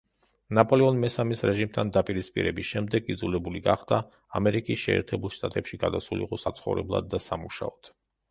ნაპოლეონ მესამის რეჟიმთან დაპირისპირების შემდეგ იძულებული გახდა, ამერიკის შეერთებულ შტატებში გადასულიყო საცხოვრებლად და სამუშაოდ.